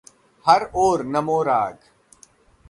हर ओर नमोराग